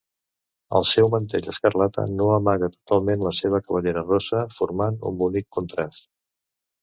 El seu mantell escarlata no amaga totalment la seva cabellera rossa, formant un bonic contrast.